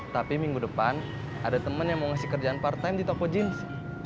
tapi minggu depan ada temen yang mau ngasih kerjaan part time di toko jeans